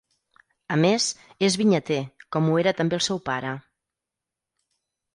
A més, és vinyater, com ho era també el seu pare.